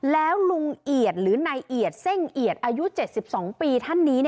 แล้วลุงเอียดหรือนายเอียดเส้งเอียดอายุ๗๒ปีท่านนี้